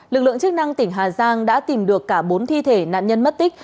lực lượng chức năng tỉnh hà giang đã tìm được cả bốn thi thể nạn nhân mất tích